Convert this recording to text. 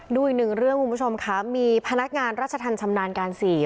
ดูอีกหนึ่งเรื่องคุณผู้ชมค่ะมีพนักงานราชธรรมชำนาญการสี่